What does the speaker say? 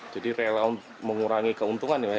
jadi rela mengurangi keuntungan ya